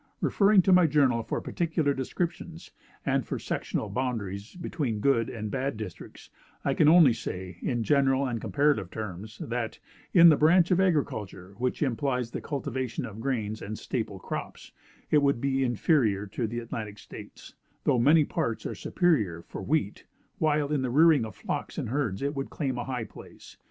Referring to my journal for particular descriptions, and for sectional boundaries between good and bad districts, I can only say, in general and comparative terms, that, in that branch of agriculture which implies the cultivation of grains and staple crops, it would be inferior to the Atlantic States, though many parts are superior for wheat, while in the rearing of flocks and herds it would claim a high place.